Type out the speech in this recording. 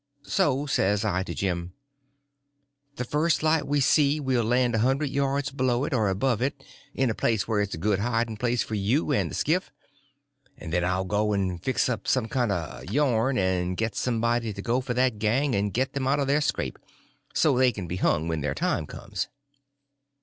So says I to Jim: "The first light we see we'll land a hundred yards below it or above it, in a place where it's a good hiding place for you and the skiff, and then I'll go and fix up some kind of a yarn, and get somebody to go for that gang and get them out of their scrape, so they can be hung when their time comes."